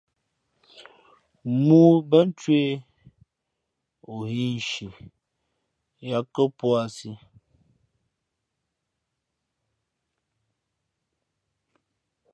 Mōō bά ncwěh, o hᾱ ǐ nshi yāt kά puǎsī.